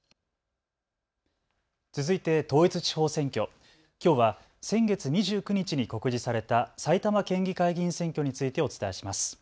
続いて統一地方選挙、きょうは先月２９日に告示された埼玉県議会議員選挙についてお伝えします。